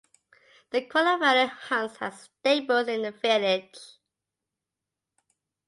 The Quorn and Fernie hunts had stables in the village.